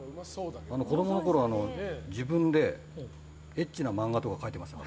子供のころ自分でエッチな漫画とか描いてましたから。